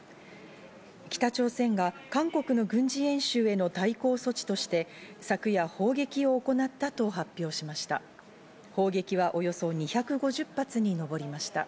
北朝鮮が韓国の軍事演習への対抗措置として昨夜、砲撃を行ったと発表しました。